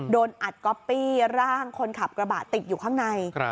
โดนอัดก๊อปปี้ร่างคนขับกระบะติดอยู่ข้างใน